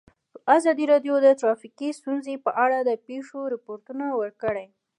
ازادي راډیو د ټرافیکي ستونزې په اړه د پېښو رپوټونه ورکړي.